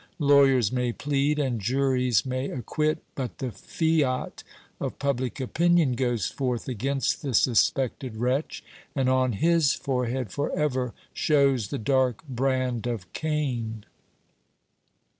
Lawyers may plead, and juries may acquit; but the fiat of public opinion goes forth against the suspected wretch, and on his forehead for ever shows the dark brand of Cain.